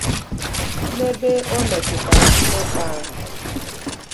N'ebe o metụtara mmekpa ahụ